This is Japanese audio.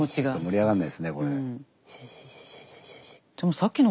盛り上がらないですねこれ。